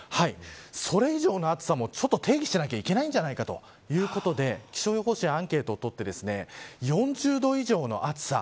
それ以上の暑さも定義しなければいけないじゃないかということで気象予報士にアンケートをとって４０度以上の暑さ